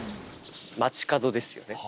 街かどですよね。